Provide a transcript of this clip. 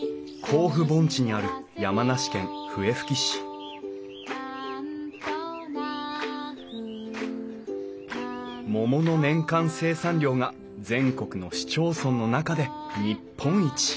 甲府盆地にある山梨県笛吹市桃の年間生産量が全国の市町村の中で日本一。